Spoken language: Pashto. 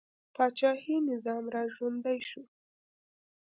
پاچاهي نظام را ژوندی شو.